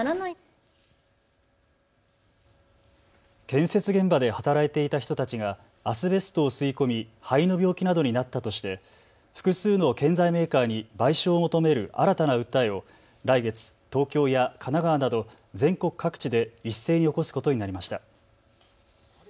建設現場で働いていた人たちがアスベストを吸い込み肺の病気などになったとして複数の建材メーカーに賠償を求める新たな訴えを来月、東京や神奈川など全国各地で一斉に起こすことになりました。